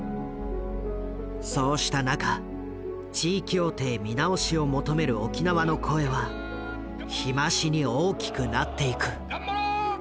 そうした中地位協定見直しを求める沖縄の声は日増しに大きくなっていく。